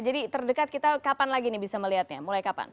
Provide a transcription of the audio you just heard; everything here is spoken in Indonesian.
jadi terdekat kita kapan lagi nih bisa melihatnya mulai kapan